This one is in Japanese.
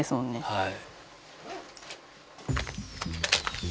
はい。